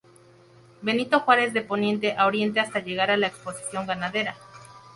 Benito Juárez de Poniente a Oriente hasta llegar a la Exposición Ganadera.